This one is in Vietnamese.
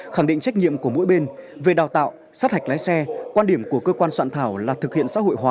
khẳng định trách nhiệm của mỗi bên về đào tạo sát hạch lái xe quan điểm của cơ quan soạn thảo là thực hiện xã hội hóa